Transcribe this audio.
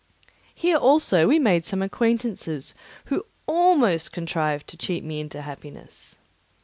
Here also we made some acquaintances, who almost contrived to cheat me into happiness.